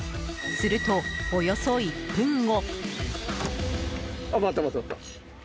すると、およそ１分後。